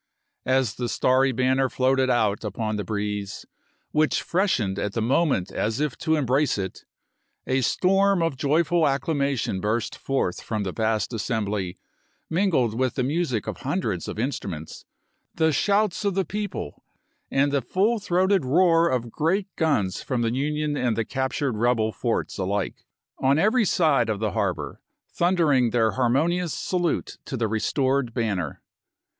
u?s?rl! As the starry banner floated out upon the breeze, which freshened at the moment as if to embrace it, a storm of joyful acclamation burst forth from the vast assembly, mingled with the music of hundreds Api.u,i865. of instruments, the shouts of the people, and the full throated roar of great guns from the Union and the captured rebel forts alike, on every side of the 280 ABKAHAM LINCOLN chap. xiv. harbor, thundering their harmonious salute to the restored banner.